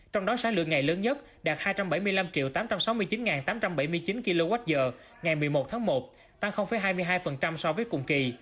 trong đó sáng lượng ngày lớn nhất đạt hai trăm bảy mươi năm tám trăm sáu mươi chín tám trăm bảy mươi chín kwh ngày một mươi một tháng một tăng hai mươi hai so với cùng kỳ